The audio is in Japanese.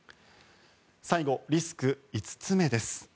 最後、リスク５つ目です。